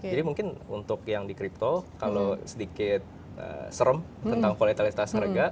jadi mungkin untuk yang di crypto kalau sedikit serem tentang kualitas harga